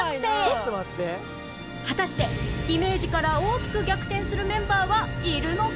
果たしてイメージから大きく逆転するメンバーはいるのか？